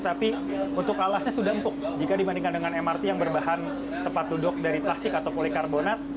tapi untuk alasnya sudah empuk jika dibandingkan dengan mrt yang berbahan tempat duduk dari plastik atau polikarbonat